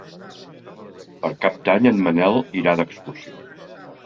Per Cap d'Any en Manel irà d'excursió.